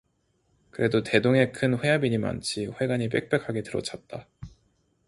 그래도 대동의 큰 회합이니만치 회관이 빽빽하게 들어찼다.